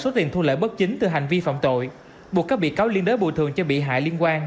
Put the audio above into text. số tiền thu lợi bất chính từ hành vi phạm tội buộc các bị cáo liên đới bồi thường cho bị hại liên quan